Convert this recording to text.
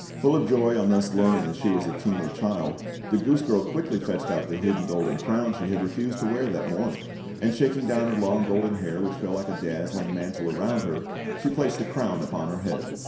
Full of joy on thus learning that she was a kingly child, the goose girl quickly fetched out the hidden golden crown she had refused to wear that morning; and shaking down her long golden hair, which fell like a dazzling mantle around her, she placed the crown upon her head.